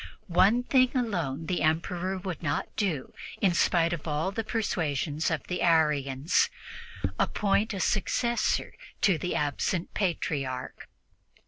One thing alone the Emperor would not do in spite of all the persuasions of the Arians appoint a successor to the absent Patriarch.